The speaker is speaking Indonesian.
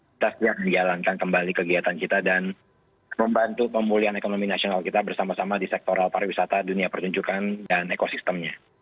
kita siap menjalankan kembali kegiatan kita dan membantu pemulihan ekonomi nasional kita bersama sama di sektor pariwisata dunia pertunjukan dan ekosistemnya